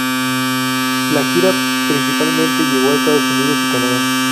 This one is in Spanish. La gira principalmente llegó a Estados Unidos y Canadá.